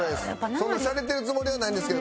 そんなシャレてるつもりはないんですけど。